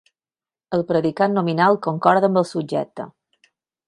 El predicat nominal concorda amb el subjecte.